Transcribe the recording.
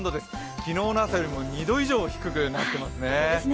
昨日の朝よりも２度以上低くなっていますね。